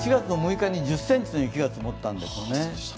１月６日に１０ｃｍの雪が積もったんですよね。